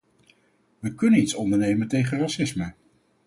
Wij kunnen iets ondernemen tegen racisme.